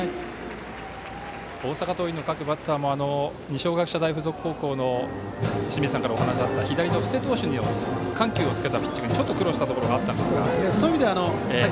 大阪桐蔭の各バッターも二松学舎大付属高校の清水さんからお話があった左投手の布施投手に緩急をつかったボールでちょっと苦労したところがあったという話ですが。